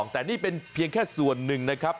แต่นี่เป็นเพียงแค่ส่วนหนึ่งนะครับ